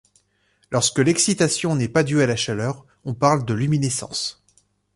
Lorsque l’excitation n’est pas due à la chaleur, on parle de luminescence.